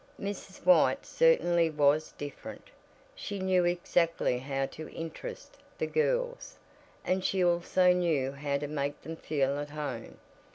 Mrs. White certainly was different. She knew exactly how to interest the girls, and she also knew how to make them feel at home.